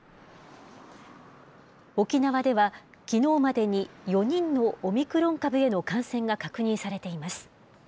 沖縄では、きのうまでに４人のオミクロン株への感染が確認されています。